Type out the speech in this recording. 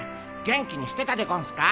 元気にしてたでゴンスか？